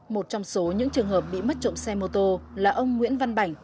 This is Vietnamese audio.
một trong số những trường hợp bị mất trộm xe mô tô là ông nguyễn văn bảnh